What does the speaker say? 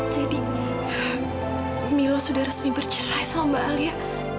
jadi milo sudah resmi bercerai sama mbak alia